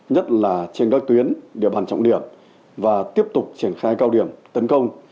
nhất là trên các tuyến địa bàn trọng điểm và tiếp tục triển khai cao điểm tấn công